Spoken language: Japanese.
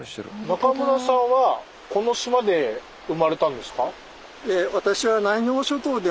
中村さんはこの島で生まれたんですか？